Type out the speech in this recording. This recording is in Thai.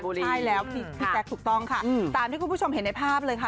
ใช่แล้วพี่แจ๊คถูกต้องค่ะตามที่คุณผู้ชมเห็นในภาพเลยค่ะ